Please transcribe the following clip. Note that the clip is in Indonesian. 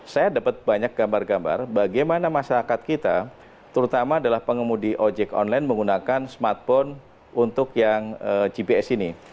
saya dapat banyak gambar gambar bagaimana masyarakat kita terutama adalah pengemudi ojek online menggunakan smartphone untuk yang gps ini